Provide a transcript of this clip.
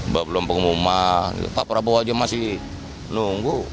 belum pengumuman pak prabowo aja masih nunggu